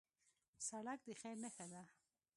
سړک د خیر نښه ده.